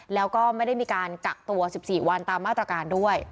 แล้วก็ไม่ได้มีการกักตัว๑๔วันตามมาตรการด้วย